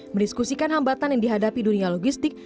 mendiskusikan hambatan yang dihadapi dunia logistik